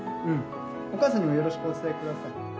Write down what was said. ・お母さんにもよろしくお伝え下さい。